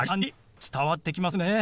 伝わってきますね。